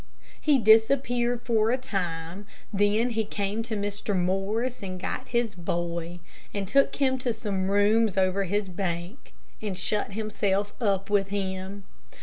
He disappeared for a time, then he came to Mr. Morris and got his boy, and took him to some rooms over his bank, and shut himself up with him.